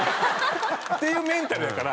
っていうメンタルやから。